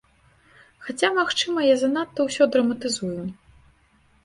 Хаця, магчыма, я занадта ўсё драматызую.